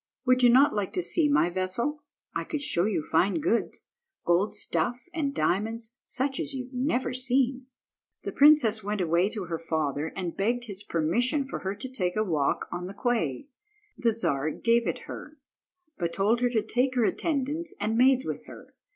Would you not like to see my vessel? I could show you fine goods, gold stuff, and diamonds, such as you have never seen." The princess went away to her father, and begged his permission for her to take a walk on the quay. The Czar gave it her, but told her to take her attendants and maids with her.